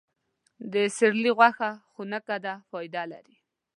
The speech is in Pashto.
د سیرلي غوښه خونکه ده، فایده لري.